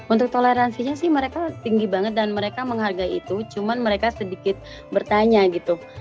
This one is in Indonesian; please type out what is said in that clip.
untuk toleransinya sih mereka tinggi banget dan mereka menghargai itu cuma mereka sedikit bertanya gitu